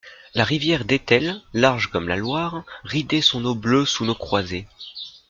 La rivière d'Etel, large comme la Loire, ridait son eau bleue sous nos croisées.